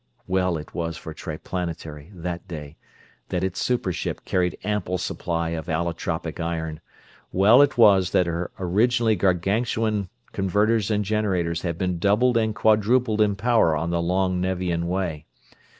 Well it was for Triplanetary, that day, that its super ship carried ample supply of allotropic iron; well it was that her originally Gargantuan converters and generators had been doubled and quadrupled in power on the long Nevian way!